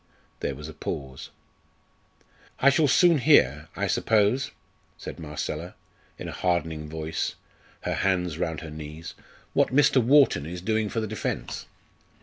There was a pause. "I shall soon hear, I suppose," said Marcella, in a hardening voice, her hands round her knees, "what Mr. Wharton is doing for the defence.